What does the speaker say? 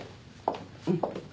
うん。